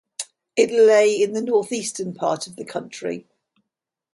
It lay in the northeastern part of the country.